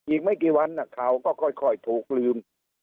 อีกไม่กี่วันข่าวก็ค่อยถูกลืม